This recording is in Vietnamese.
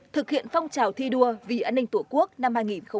thực hiện phong trào thi đua vì an ninh tổ quốc năm hai nghìn hai mươi bốn